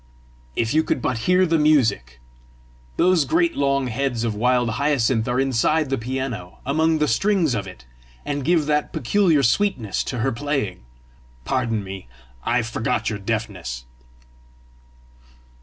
"If you could but hear the music! Those great long heads of wild hyacinth are inside the piano, among the strings of it, and give that peculiar sweetness to her playing! Pardon me: I forgot your deafness!"